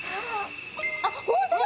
あっ本当だ！